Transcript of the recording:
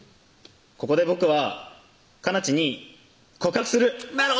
ここで僕はカナチに告白する！